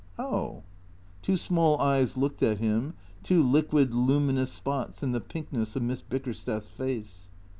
" Oh." Two small eyes looked at him, two liquid, luminous spots in the pinkness of Miss Bickersteth's face.